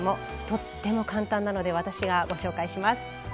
とっても簡単なので私が、ご紹介します。